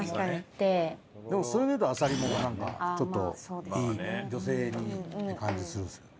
でもそれで言うとあさりもなんかちょっといい女性にいいっていう感じするんですよね。